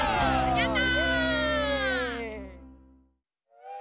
やった！